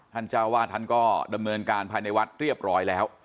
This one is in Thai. เจ้าวาดท่านก็ดำเนินการภายในวัดเรียบร้อยแล้ว